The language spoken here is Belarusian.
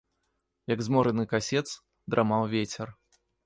Як змораны касец, драмаў вецер.